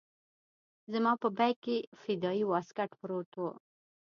زما په بېګ کښې فدايي واسکټ پروت و.